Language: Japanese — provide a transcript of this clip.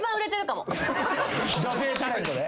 女性タレントで？